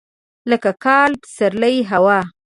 لکه کال، پسرلی، هوا.